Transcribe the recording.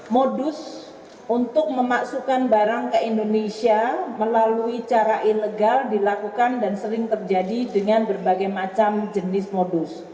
modus untuk memasukkan barang ke indonesia melalui cara ilegal dilakukan dan sering terjadi dengan berbagai macam jenis modus